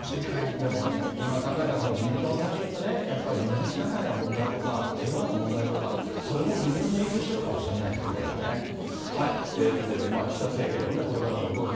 でも今考えたら自民党の大勝ってね、やっぱり南シナ海の問題とか、台湾の問題とか、それも微妙に影響しているかもしれないですね、これはね。ということで、岸田政権のこれからの動き。